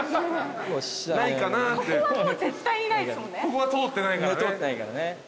ここは通ってないからね。